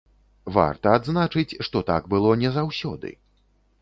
Варта адзначыць, што так было не заўсёды.